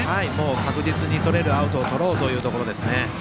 確実に取れるアウトをとろうということですね。